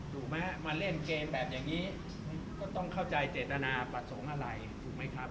ถูกไหมมาเล่นเกมแบบอย่างนี้ก็ต้องเข้าใจเจตนาประสงค์อะไรถูกไหมครับ